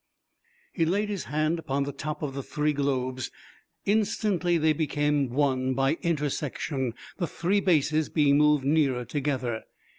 He laid his hand upon the top of the three globes. Instantly they became one by intersection, the three bases being moved nearer together.